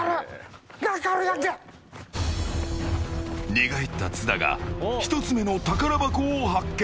寝返った津田が１つ目の宝箱を発見。